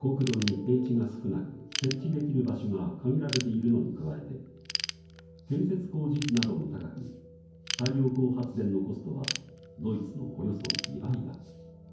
国土に平地が少なく設置できる場所が限られているのに加えて建設工事費なども高く太陽光発電のコストはドイツのおよそ２倍だ。